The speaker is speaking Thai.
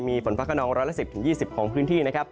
มีฝนฟ้าขนองร้อยละ๑๐๒๐ของพื้นที่นะครับ